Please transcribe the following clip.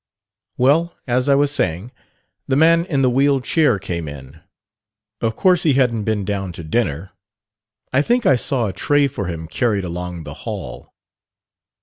"Well, as I was saying, the man in the wheeled chair came in. Of course he hadn't been down to dinner I think I saw a tray for him carried along the hall.